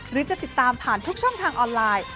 หรือจะติดตามผ่านทุกช่องทางออนไลน์